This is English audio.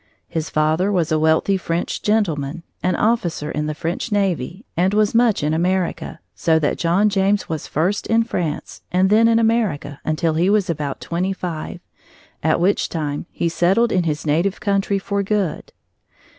His father was a wealthy French gentleman, an officer in the French navy, and was much in America, so that John James was first in France and then in America until he was about twenty five, at which time he settled in his native country for good.